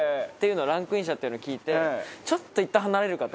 ランクインしたっていうのを聞いてちょっといったん離れるかと。